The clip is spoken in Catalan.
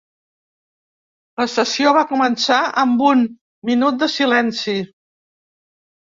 La sessió va començar amb un minut de silenci.